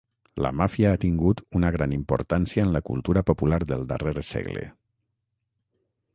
La Màfia ha tingut una gran importància en la cultura popular del darrer segle.